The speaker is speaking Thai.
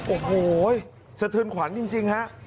โอ้โหสะเทือนขวัญจริงฮะ